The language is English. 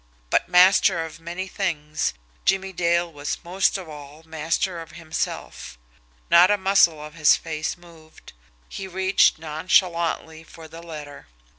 But, master of many things, Jimmie Dale was most of all master of himself. Not a muscle of his face moved. He reached nonchalantly for the letter.